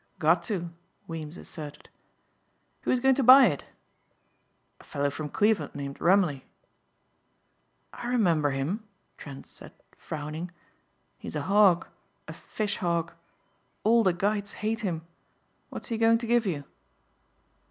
"Got to," Weems asserted. "Who is going to buy it?" "A fellow from Cleveland named Rumleigh." "I remember him," Trent said frowning, "he's a hog, a fish hog. All the guides hate him. What's he going to give you?"